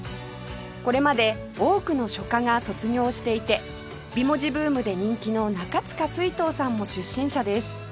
これまで多くの書家が卒業していて美文字ブームで人気の中塚翠涛さんも出身者です